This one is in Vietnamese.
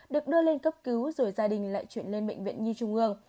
được đưa lên cấp cứu rồi gia đình lại chuyển lên bệnh viện nhi trung ương